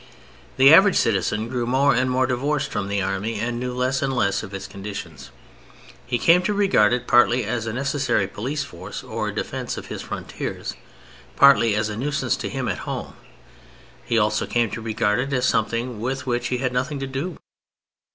The average citizen grew more and more divorced from the Army and knew less and less of its conditions. He came to regard it partly as a necessary police force or defence of his frontiers, partly as a nuisance to him at home. He also came to regard it as something with which he had nothing to do.